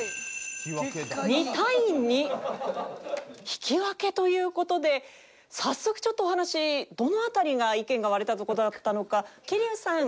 引き分けという事で早速ちょっとお話どの辺りが意見が割れたとこだったのか桐生さん。